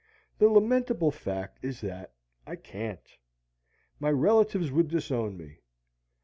The lamentable fact is that I can't. My relatives would disown me.